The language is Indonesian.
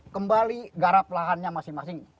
kembali garap lahannya masing masing